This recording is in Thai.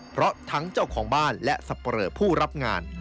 เพราะทั้งเจ้าของบ้านและสับปะเลอผู้รับงาน